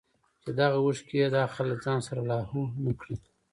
چې دغه اوښکې ئې دا خلک د ځان سره لاهو نۀ کړي